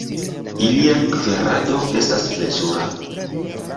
Ilia kverado estas plezura.